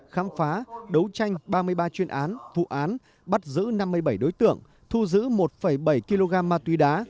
khám phá đấu tranh ba mươi ba chuyên án vụ án bắt giữ năm mươi bảy đối tượng thu giữ một bảy kg ma túy đá